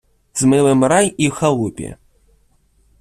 з милим рай і в халупі